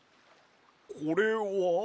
これは？